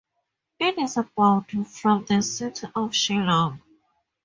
It is about from the city of Shillong.